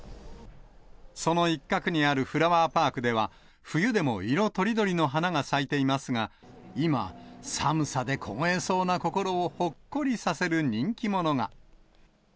その一角にあるフラワーパークでは、冬でも色とりどりの花が咲いていますが、今寒さで凍えそうな心をほっこりさせる人気者が。